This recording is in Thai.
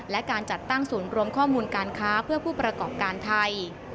และการจัดตั้งศูนย์รวมข้อมูลการค้าเพื่อผู้ประกอบการไทย